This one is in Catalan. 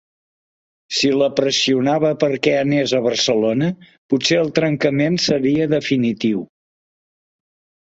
Si la pressionava perquè anés a Barcelona potser el trencament seria definitiu.